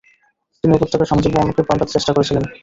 তিনি উপত্যকার সামাজিক বর্ণকে পাল্টাতে সাহায্য করেছিলেন।